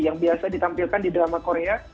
yang biasa ditampilkan di drama korea